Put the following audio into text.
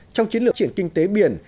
trong chiến lược triển kinh tế biển